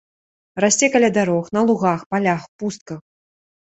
Расце каля дарог, на лугах, палях, пустках.